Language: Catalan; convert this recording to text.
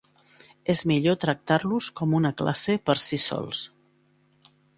És millor tractar-los com una classe per si sols.